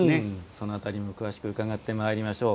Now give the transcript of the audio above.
その辺りも詳しく伺ってまいりましょう。